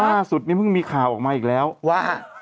ล่าสุดนี้เพิ่งมีข่าวออกมาอีกแล้วว่า